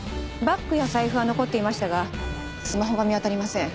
バッグや財布は残っていましたがスマホが見当たりません。